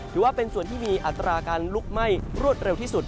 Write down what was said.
ถือว่าเป็นส่วนที่มีอัตราการลุกไหม้รวดเร็วที่สุด